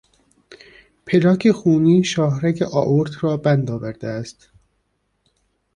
پلاک خونی شاهرگ آئورت را بند آورده است.